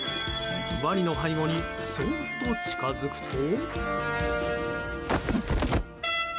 ワニの背後にそっと近づくと。